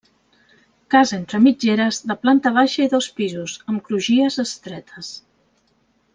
Casa entre mitgeres de planta baixa i dos pisos, amb crugies estretes.